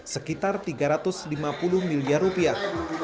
sekitar tiga ratus lima puluh miliar rupiah